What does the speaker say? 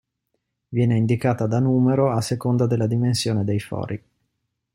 Viene indicata da numero a seconda della dimensione dei fori.